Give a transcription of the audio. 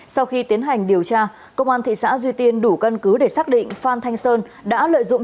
sau khi tiến hành điều tra công an thị xã duy tiên đủ căn cứ để xác định phan thanh sơn đã lợi dụng